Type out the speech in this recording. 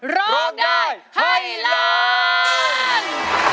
ร้องได้ไทยร้าน